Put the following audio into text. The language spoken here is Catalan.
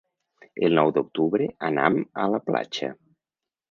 El nou d'octubre anam a la platja.